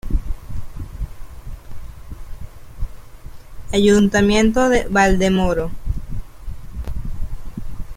Ayuntamiento de Valdemoro.